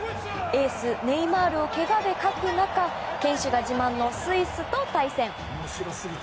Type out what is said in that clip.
エース、ネイマールをけがで欠く中堅守が自慢のスイスと対戦。